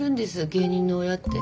芸人の親って。